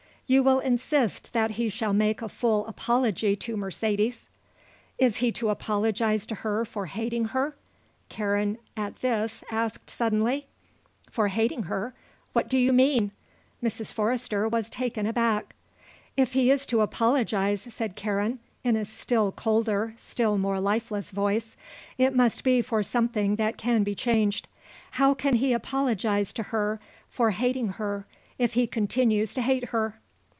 "You will insist that he shall make a full apology to Mercedes?" "Is he to apologise to her for hating her?" Karen at this asked suddenly. "For hating her? What do you mean?" Mrs. Forrester was taken aback. "If he is to apologise," said Karen, in a still colder, still more lifeless voice, "it must be for something that can be changed. How can he apologise to her for hating her if he continues to hate her?"